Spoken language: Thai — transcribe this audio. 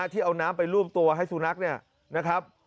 ที่เอาน้ำไปรูปตัวให้สุนัขเนี่ยนะครับ